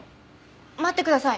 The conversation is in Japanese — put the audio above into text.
待ってください。